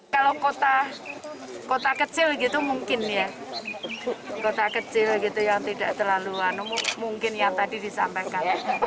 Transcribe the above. kalau kota kecil gitu mungkin ya kota kecil gitu yang tidak terlalu mungkin yang tadi disampaikan